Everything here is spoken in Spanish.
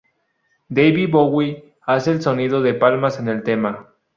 David Bowie hace el sonido de palmas en el tema.